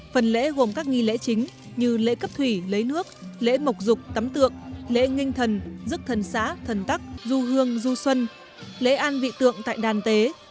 phần lễ gồm các nghi lễ chính như lễ cấp thủy lấy nước lễ mộc rục tắm tượng lễ nghinh thần rước thần xã thần tắc du hương du xuân lễ an vị tượng tại đàn tế